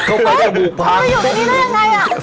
ก็ไม่อยู่ในนี้แล้วยังไง